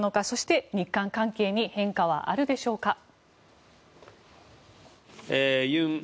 そして、日韓関係に変化はあるでしょうか。